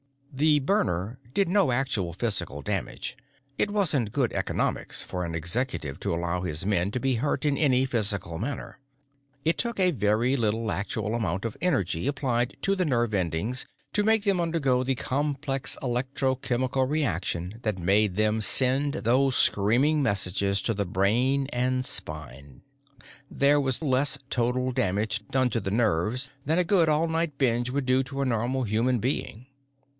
The burner did no actual physical damage; it wasn't good economics for an Executive to allow his men to be hurt in any physical manner. It took a very little actual amount of energy applied to the nerve endings to make them undergo the complex electrochemical reaction that made them send those screaming messages to the brain and spine. There was less total damage done to the nerves than a good all night binge would do to a normal human being.